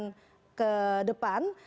dan ke depan